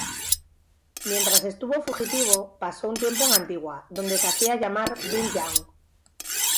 Mientras estuvo fugitivo pasó un tiempo en Antigua, donde se hacía llamar Bill Young.